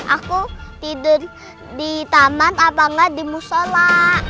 aku tidur di taman apa enggak di musola